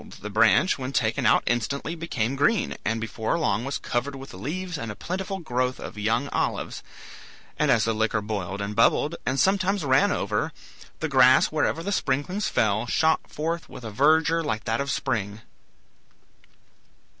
the branch when taken out instantly became green, and before long was covered with leaves and a plentiful growth of young olives; and as the liquor boiled and bubbled, and sometimes ran over, the grass wherever the sprinklings fell shot forth with a verdure like that of spring.